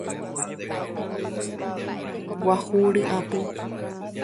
Guahu ryapu.